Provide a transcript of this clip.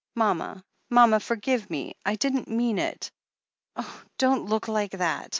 "Mama, mama, forgive me — I didn't mean it. Oh, don't look like that